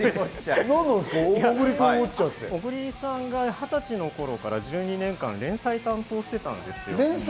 小栗さんが二十歳の頃から１２年間連載を担当してたんです。